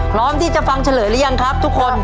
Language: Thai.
พร้อมที่จะฟังเฉลยหรือยังครับทุกคน